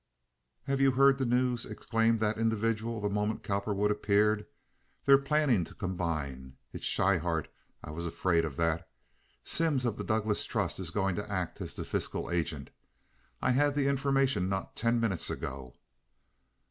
"Have you heard the news?" exclaimed that individual, the moment Cowperwood appeared. "They're planning to combine. It's Schryhart. I was afraid of that. Simms of the Douglas Trust is going to act as the fiscal agent. I had the information not ten minutes ago."